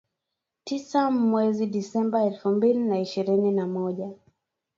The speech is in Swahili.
tisa mwezi Desemba elfu mbili na ishirini na moja